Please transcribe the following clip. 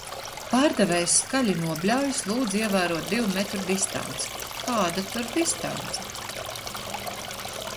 Pārdevējs skaļi nobļaujas "Lūdzu ievērot divu metru distanci!" Kāda tur distance?